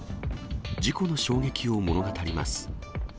事故の衝撃を物語ります。